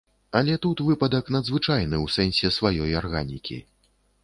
Але тут выпадак надзвычайны ў сэнсе сваёй арганікі.